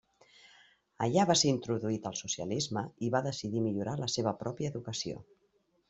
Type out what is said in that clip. Allà va ser introduït al socialisme i va decidir millorar la seva pròpia educació.